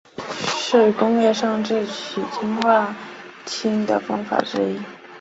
是工业上制取氰化氢的方法之一。